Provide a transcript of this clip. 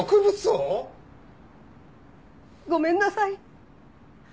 ごめんなさい。